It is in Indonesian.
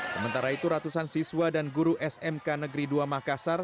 sementara itu ratusan siswa dan guru smk negeri dua makassar